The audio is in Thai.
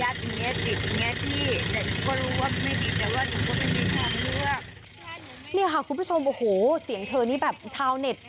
อย่างไรก็ตามถ้าเธอโดนทำร้ายอย่างที่กล่าวอ้างจริง